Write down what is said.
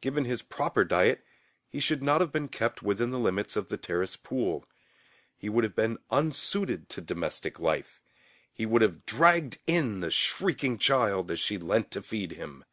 Given his proper diet, he could not have been kept within the limits of the terrace pool. He would have been unsuited to domestic life; he would have dragged in the shrieking child as she leant to feed him.